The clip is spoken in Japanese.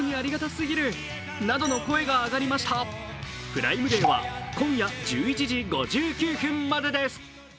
プライムデーは今夜１１時５９分までです。